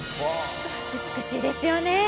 美しいですよね。